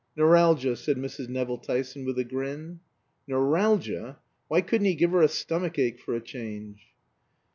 "Neuralgia," said Mrs. Nevill Tyson, with a grin. "Neur_al_gia! Why couldn't he give her a stomach ache for a change?"